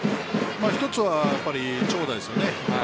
一つは長打ですよね。